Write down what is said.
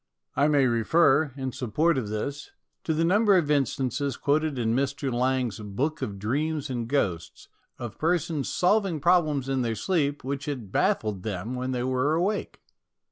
I may refer, in support of this, to the number of instances quoted in Mr. Lang's " Book of Dreams and Ghosts," of persons solving problems in their sleep which had baffled them when they were awake.